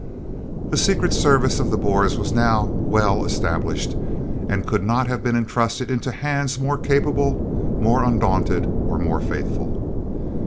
The Secret Service of the Boers was now well established, and could not have been entrusted into hands more capable, more undaunted, or more faithful.